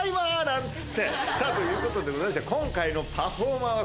なんつってさあということでございまして今回のパフォーマー